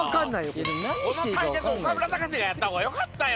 この対決岡村隆史がやった方がよかったよ